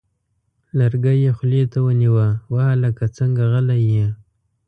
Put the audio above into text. لرګی یې خولې ته ونیوه: وه هلکه څنګه غلی یې!؟